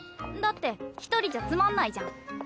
だって１人じゃつまんないじゃん。